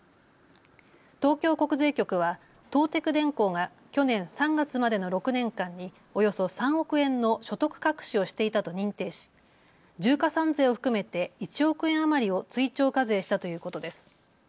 東京国税局は東テク電工が去年３月までの６年間におよそ３億円の所得隠しをしていたと認定し重加算税を含めて１億円余りを追徴課税したということです。